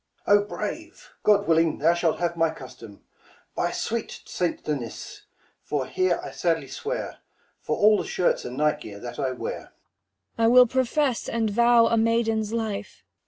Mum. O brave ! God willing, thou shalt have my custom. By sweet St. Denis, here I sadly swear, For all the shirts and night gear that I wear. 40 Cor. I will profess and vow a maiden's life.